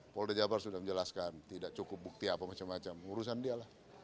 polda jabar sudah menjelaskan tidak cukup bukti apa macam macam urusan dia lah